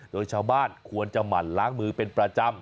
โดยชาวบ้านควรจะหมั่นล้างมือเป็นประจำ